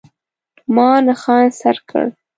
ما نښان سر کړ.